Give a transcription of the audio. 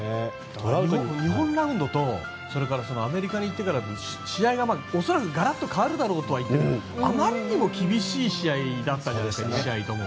日本ラウンドとアメリカに行ってからの試合が恐らくガラッと変わるだろうといってもあまりにも厳しい試合だったじゃないですか、２試合とも。